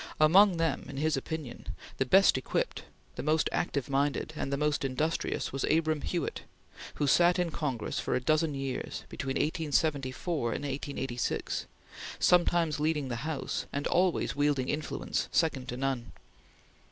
Among them, in his opinion, the best equipped, the most active minded, and most industrious was Abram Hewitt, who sat in Congress for a dozen years, between 1874 and 1886, sometimes leading the House and always wielding influence second to none.